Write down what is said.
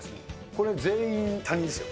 これ全員、他人ですよ。